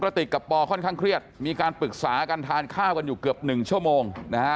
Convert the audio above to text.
ติกกับปอค่อนข้างเครียดมีการปรึกษากันทานข้าวกันอยู่เกือบ๑ชั่วโมงนะฮะ